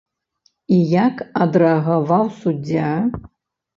І як адрэагаваў суддзя?